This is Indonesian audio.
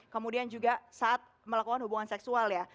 kemudian juga saat melakukan hubungan seksual ya